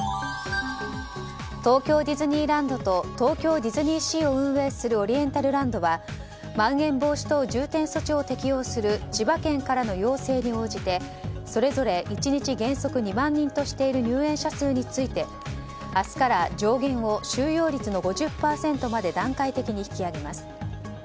東京ディズニーランドと東京ディズニーシーを運営するオリエンタルランドはまん延防止等重点措置を適用する千葉県からの要請に応じてそれぞれ１日原則２万人としている入園者数について明日から上限を収容率の５０％まで段階的に引き上げます。